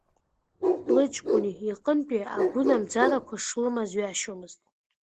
Лыҷкәын иҟынтәи агәынамӡарақәа шлымаз ҩашьомызт.